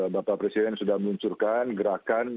bapak presiden sudah meluncurkan gerakan